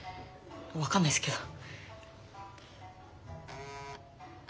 分かんないっすけど。